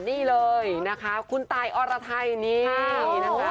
นี่เลยนะคะคุณตายอรไทยนี่นะคะ